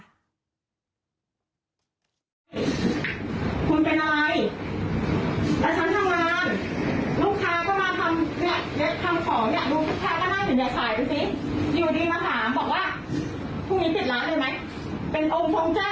คุณเป็นอะไรแล้วฉันทำงาน